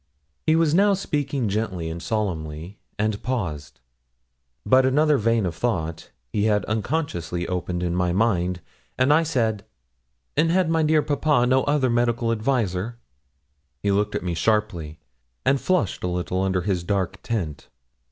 He was now speaking gently and solemnly, and paused. But another vein of thought he had unconsciously opened in my mind, and I said 'And had my dear papa no other medical adviser?' He looked at me sharply, and flushed a little under his dark tint.